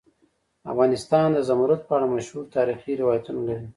افغانستان د زمرد په اړه مشهور تاریخی روایتونه لري.